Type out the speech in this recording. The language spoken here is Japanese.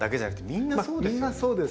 みんなそうですよね。